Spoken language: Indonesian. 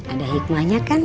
ada hikmahnya kan